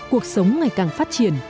cuộc sống ngày càng phát triển